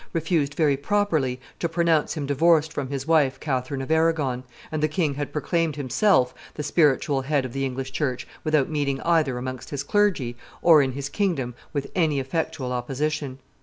refused very properly to pronounce him divorced from his wife Catherine of Aragon, and the king had proclaimed himself the spiritual head of the English church without meeting either amongst his clergy or in his kingdom with any effectual opposition.